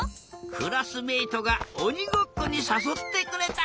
クラスメートがおにごっこにさそってくれた。